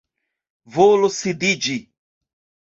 Volu sidiĝi.